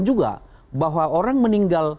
juga bahwa orang meninggal